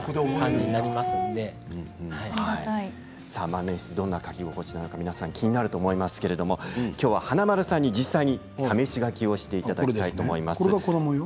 万年筆、どんな書き心地になるのか気になりますけどきょうは華丸さんに、実際に試し書きしていただきたいと思います。